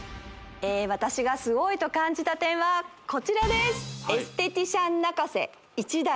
私がすごいと感じた点はこちらです